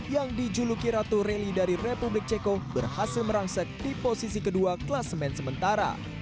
yang dijuluki ratu rally dari republik ceko berhasil merangsek di posisi kedua kelas men sementara